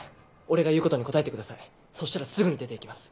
俺が言うことに答えてくださいそしたらすぐに出て行きます。